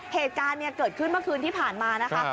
เหตุการณ์เกิดขึ้นเมื่อคืนที่ผ่านมานะคะ